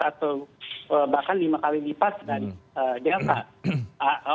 atau bahkan lima kali lipat dari delta